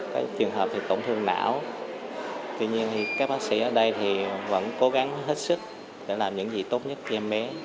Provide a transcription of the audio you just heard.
các bác sĩ ở đây vẫn cố gắng hết sức để làm những gì tốt nhất cho em bé